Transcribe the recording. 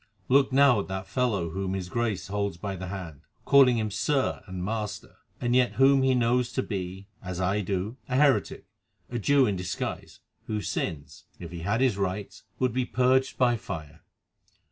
Look now at that fellow whom his Grace holds by the hand, calling him 'sir' and 'master,' and yet whom he knows to be, as I do, a heretic, a Jew in disguise, whose sins, if he had his rights, should be purged by fire.